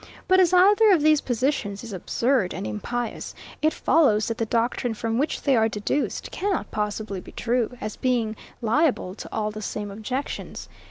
But as either of these positions is absurd and impious, it follows, that the doctrine from which they are deduced cannot possibly be true, as being liable to all the same objections.